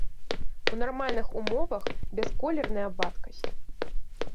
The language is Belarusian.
У нармальных умовах бясколерная вадкасць.